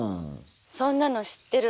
「そんなの知ってる。